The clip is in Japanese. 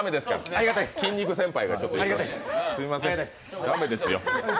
ありがたいっす。